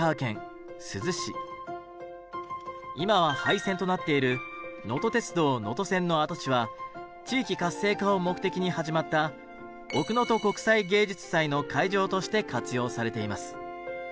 今は廃線となっているのと鉄道能登線の跡地は地域活性化を目的に始まった奥能登国際芸術祭の会場として活用されています。